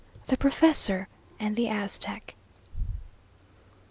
THE PROFESSOR AND THE AZTEC.